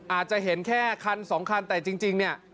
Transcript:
อาจจะเห็นแค่คันสองคันแต่จริงเนี่ย